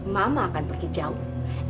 mama akan pergi jauh